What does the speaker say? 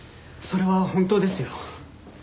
それは本当ですよ。